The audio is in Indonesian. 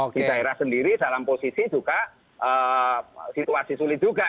di daerah sendiri dalam posisi juga situasi sulit juga